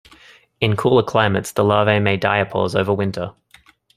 In cooler climates, the larvae may diapause over winter.